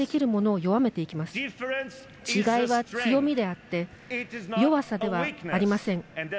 違いは強みであって弱さではありません。